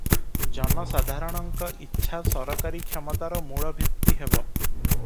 ଜନସାଧାରଣଙ୍କ ଇଚ୍ଛା ସରକାରୀ କ୍ଷମତାର ମୂଳଭିତ୍ତି ହେବ ।